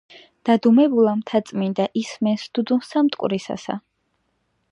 დადუმებულა მთაწმინდა ისმენს დუდუნსა მტკვრისასა.